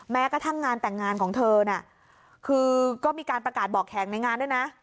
แม้กระทั่งงานแต่งงานของเธอน่ะคือก็มีการประกาศบอกแขกในงานด้วยนะ